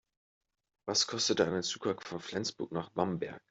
Was kostet eine Zugfahrt von Flensburg nach Bamberg?